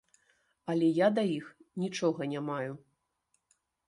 Але я да іх нічога не маю.